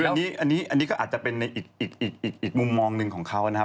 อันนี้ก็อาจจะเป็นในอีกมุมมองหนึ่งของเขานะครับ